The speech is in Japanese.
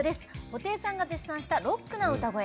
布袋さんが絶賛したロックな歌声。